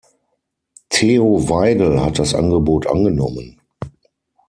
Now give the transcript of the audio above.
Theo Waigel hat das Angebot angenommen.